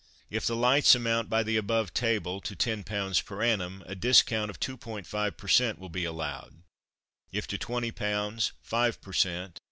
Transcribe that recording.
If the Lights amount, by the above table, to 10 pounds per annum, a Discount of 2.5 per cent. will be allowed; if to 20 pounds, 5 per cent.